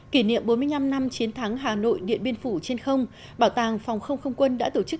kỷ niệm bốn mươi năm năm chiến thắng hà nội điện biên phủ trên không bảo tàng phòng không không quân đã tổ chức